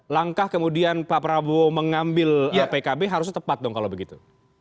langkah kemudian pak prabowo mengambil pkb harusnya tepat dong kalau begitu